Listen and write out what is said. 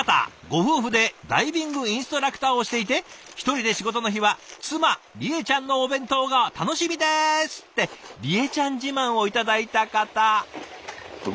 ご夫婦でダイビングインストラクターをしていて１人で仕事の日は妻里恵ちゃんのお弁当が楽しみです！って里恵ちゃん自慢を頂いた方。